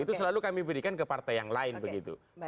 itu selalu kami berikan ke partai yang lain begitu